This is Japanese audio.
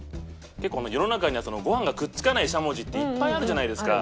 世の中にはご飯がくっつかないしゃもじっていっぱいあるじゃないですか。